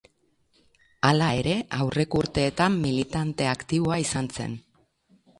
Hala ere, aurreko urteetan militante aktiboa izan zen.